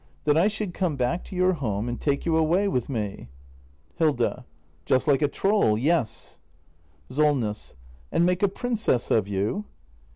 That I should come back to your home, and take you away with me ? Hilda. Just like a troll — yes. Solness. And make a princess of you